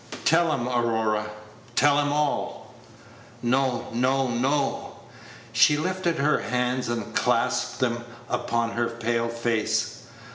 Tell him, Aurora tell him all!" "No, no, no!" She lifted her hands, and clasped them upon her pale face.